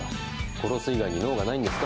殺す以外に能がないんですか。